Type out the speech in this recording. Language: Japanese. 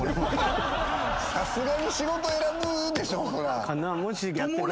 さすがに仕事選ぶでしょ。